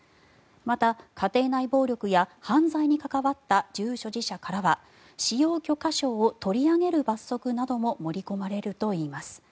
また、家庭内暴力や犯罪に関わった銃所持者からは使用許可証を取り上げる罰則なども盛り込まれるといいます。